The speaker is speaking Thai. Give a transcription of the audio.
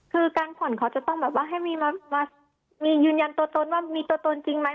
คือการผ่อนเขาจะต้องแบบว่าให้มีมามียืนยันตัวตนว่ามีตัวตนจริงไหม